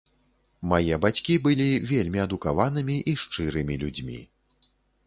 Мае бацькі былі вельмі адукаванымі і шчырымі людзьмі.